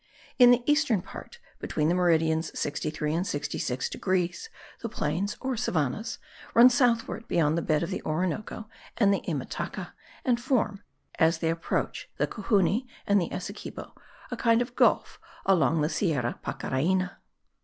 In the eastern part, between the meridians 63 and 66 degrees, the plains or savannahs run southward beyond the bed of the Orinoco and the Imataca, and form (as they approach the Cujuni and the Essequibo) a kind of gulf along the Sierra Pacaraina.